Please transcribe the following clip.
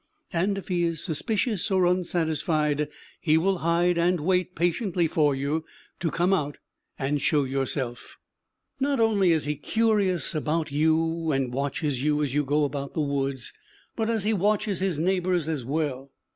And if he is suspicious or unsatisfied, he will hide and wait patiently for you to come out and show yourself. Not only is he curious about you, and watches you as you go about the woods, but he watches his neighbors as well.